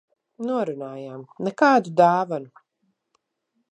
Norunājām - nekādu dāvanu.